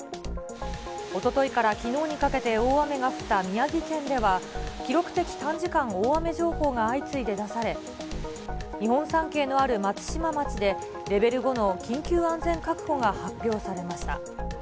おとといからきのうにかけて大雨が降った宮城県では、記録的短時間大雨情報が相次いで出され、日本三景のある松島町で、レベル５の緊急安全確保が発表されました。